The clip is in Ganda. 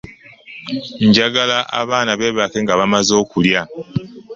Njagala abaana beebake nga bamaze okulya.